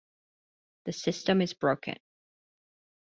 The system is broken.